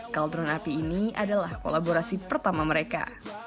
kaldron api ini adalah kolaborasi pertama mereka